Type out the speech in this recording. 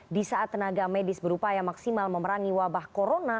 di saat tenaga medis berupaya maksimal memerangi wabah corona